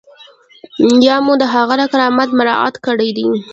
یا مو د هغه کرامت مراعات کړی دی.